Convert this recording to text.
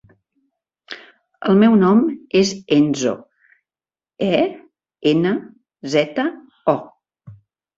El meu nom és Enzo: e, ena, zeta, o.